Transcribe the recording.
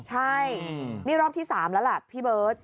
ใช่นี่รอบที่๓แล้วแหละพี่เบิร์ต